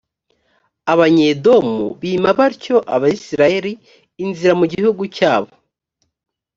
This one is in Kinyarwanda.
abanyedomu bima batyo abayisraheli inzira mu gihugu cyabo.